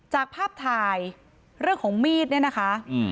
จากภาพถ่ายเรื่องของมีดเนี่ยนะคะ